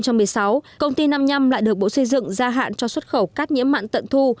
tháng bảy năm hai nghìn một mươi sáu công ty năm nhăm lại được bộ xây dựng gia hạn cho xuất khẩu các nhiễm mạng tận thu